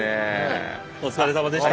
お疲れさまでした。